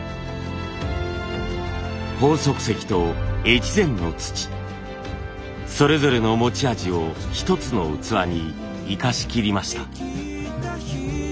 鳳足石と越前の土それぞれの持ち味を一つの器に生かしきりました。